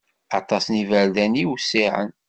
Aṭas n iberdan i iwessiɛen.